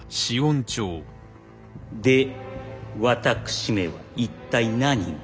で私めは一体何を？